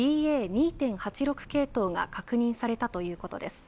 ．２．８６系統が確認されたということです。